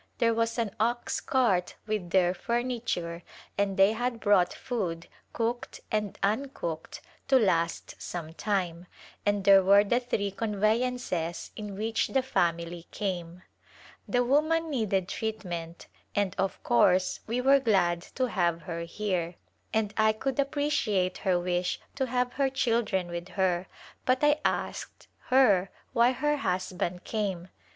There was an ox cart with their furniture and they had brought food — cooked and uncooked — to last some time, and there were the three conveyances in which the family came. The woman needed treatment and of course we were glad to have her here, and I could appreciate her wish to have her children with her, but I asked her why her husband came.